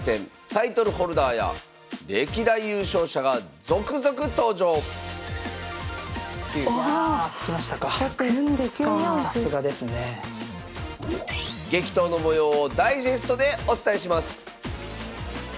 タイトルホルダーや歴代優勝者が続々登場激闘の模様をダイジェストでお伝えします